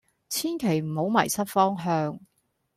千祈唔好迷失方向